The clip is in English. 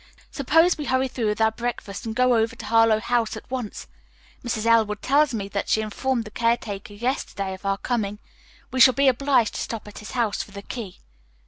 Suppose we hurry through with our breakfast and go over to Harlowe House at once. Mrs. Elwood tells me that she informed the caretaker yesterday of our coming. We shall be obliged to stop at his house for the key."